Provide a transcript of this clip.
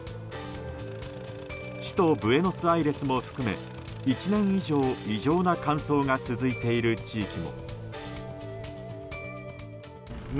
首都ブエノスアイレスも含め１年以上異常な乾燥が続いている地域も。